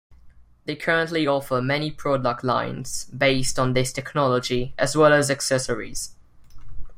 They currently offer many product lines based on this technology as well as accessories.